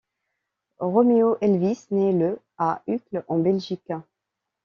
Roméo Elvis naît le à Uccle, en Belgique.